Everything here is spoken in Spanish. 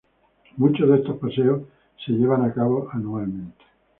Muchos de estos paseos se llevan a cabo anualmente.